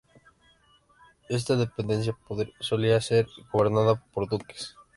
Esta dependencia solía ser gobernada por duques.